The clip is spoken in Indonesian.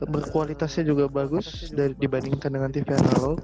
berkualitasnya juga bagus dibandingkan dengan tv analog